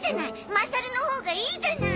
マサルのほうがいいじゃない。